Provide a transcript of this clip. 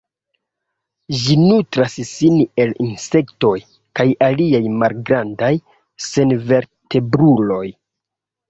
Ĝi nutras sin el insektoj kaj aliaj malgrandaj senvertebruloj.